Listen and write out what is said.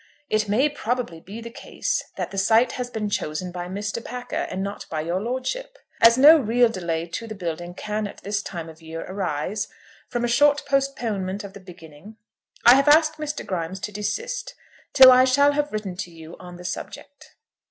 It may probably be the case that the site has been chosen by Mr. Packer, and not by your lordship. As no real delay to the building can at this time of the year arise from a short postponement of the beginning, I have asked Mr. Grimes to desist till I shall have written to you on the subject.